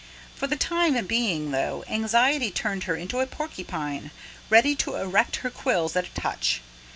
For the time being, though, anxiety turned her into a porcupine, ready to erect her quills at a touch.